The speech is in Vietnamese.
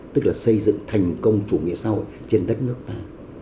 tức là xây dựng thành công chủ nghĩa xã hội trên đất nước ta